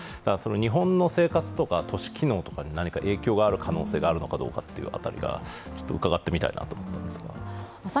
日本の生活とか都市機能とかに何か影響がある可能性があるのかどうかという辺りをちょっと伺ってみたいなと思ってみたんですが。